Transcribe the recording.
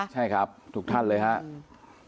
ใช่ครับทุกท่านเลยครับ